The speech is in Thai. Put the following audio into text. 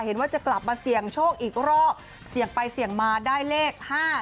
เห็นว่าจะกลับมาเสี่ยงโชคอีกรอบเสี่ยงไปเสี่ยงมาได้เลข๕๗